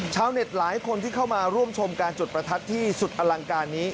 ชาวเน็ตหลายคนที่เข้ามาร่วมชมการจุดประทัดที่สุดอลังการนี้